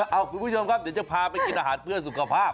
เอาคุณผู้ชมครับเดี๋ยวจะพาไปกินอาหารเพื่อสุขภาพ